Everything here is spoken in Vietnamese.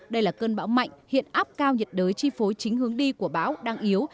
đây là cơn bão mạnh hiện áp cao nhiệt đới chi phối chính hướng đi của bão đang yếu